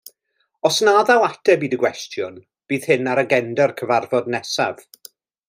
Os na ddaw ateb i dy gwestiwn, bydd hyn ar agenda'r cyfarfod nesaf.